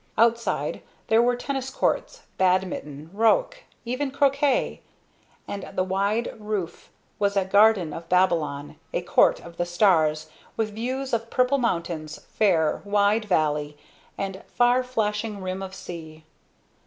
Outside there were tennis courts, badminton, roque, even croquet; and the wide roof was a garden of Babylon, a Court of the Stars, with views of purple mountains, fair, wide valley and far flashing rim of sea.